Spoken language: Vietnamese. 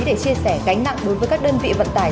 để chia sẻ gánh nặng đối với các đơn vị vận tải